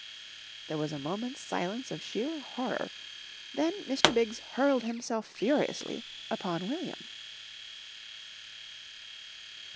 There was a moment's silence of sheer horror, then Mr. Biggs hurled himself furiously upon William....